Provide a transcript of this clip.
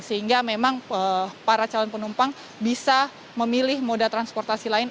sehingga memang para calon penumpang bisa memilih moda transportasi lain